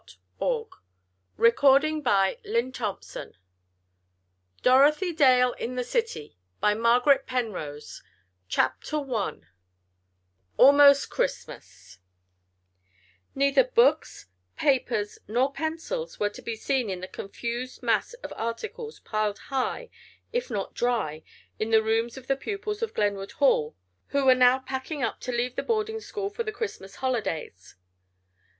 The Loving Cup 233 XXVI. A New Collector 242 DOROTHY DALE IN THE CITY CHAPTER I ALMOST CHRISTMAS Neither books, papers nor pencils were to be seen in the confused mass of articles, piled high, if not dry, in the rooms of the pupils of Glenwood Hall, who were now packing up to leave the boarding school for the Christmas holidays.